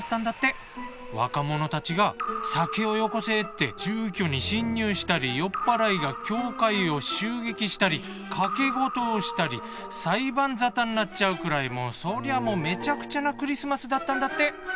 若者たちが「酒をよこせ」って住居に侵入したり酔っ払いが教会を襲撃したり賭け事をしたり裁判沙汰になっちゃうくらいもうそりゃもうめちゃくちゃなクリスマスだったんだって。